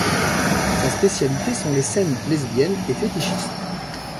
Sa spécialité sont les scènes lesbiennes et fétichistes.